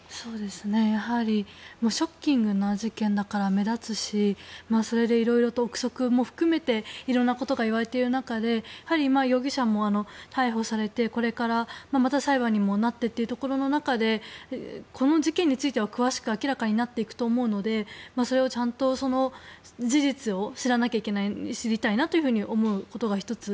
やはりショッキングな事件だから目立つしそれで色々と臆測も含めて色々なことが言われている中で容疑者も逮捕をされてこれから裁判にもなっていってという中でこの事件については詳しく明らかになっていくと思うのでそれをちゃんと事実を知りたいなと思うことが１つ。